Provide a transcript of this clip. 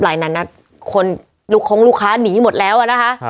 หลายนัดนัดคงลูกค้าหนีหมดแล้วนะคะ